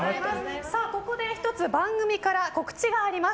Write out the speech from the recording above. ここで１つ番組から告知があります。